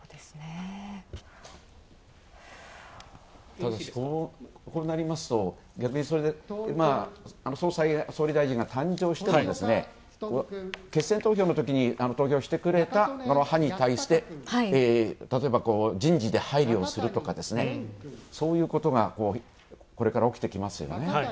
ただ、そうなりますと、逆にそれで総裁、総理大臣が誕生したら決選投票のときに投票してくれた派に対して例えば、人事で配慮をするとかそういうことが、これから起きてきますよね。